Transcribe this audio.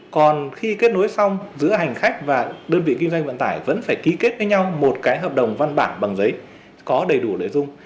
còn khi kết nối xong giữa hành khách và đơn vị kinh doanh vận tải vẫn phải ký kết với nhau một cái hợp đồng văn bản bằng giấy có đầy đủ nội dung